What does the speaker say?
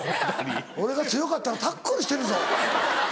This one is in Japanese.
俺が強かったらタックルしてるぞ。